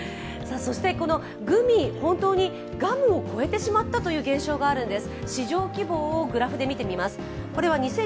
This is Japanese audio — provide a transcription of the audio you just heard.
このグミ、本当にガムを超えてしまったという現象があるんです。